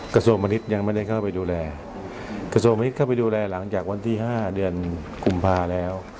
กสมนติอย่างไม่ได้เข้าไปดูแลกสมนติเข้าไปดูแลหลังจากวันที่ห้าเดือนกุมภาคมแล้ว